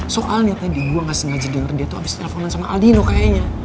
soal nih tadi gue gak sengaja denger dia tuh abis teleponan sama aldino kayaknya